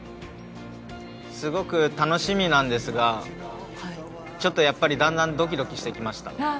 すごく楽しみなんですが、ちょっとやっぱりドキドキしてきました。